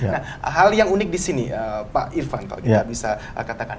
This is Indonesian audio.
nah hal yang unik di sini pak irfan kalau kita bisa katakan